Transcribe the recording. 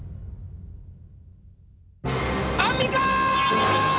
アンミカ！